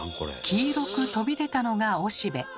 黄色く飛び出たのがおしべ。